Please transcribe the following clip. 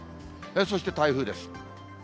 そして、台風です。